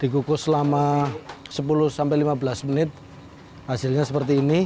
dikukus selama sepuluh sampai lima belas menit hasilnya seperti ini